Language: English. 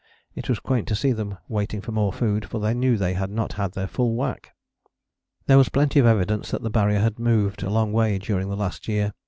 It was quaint to see them waiting for more food, for they knew they had not had their full whack." There was plenty of evidence that the Barrier had moved a long way during the last year.